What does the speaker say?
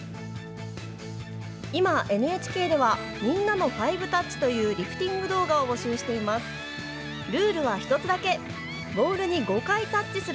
今、ＮＨＫではみんなの５タッチというリフティング動画を募集しています。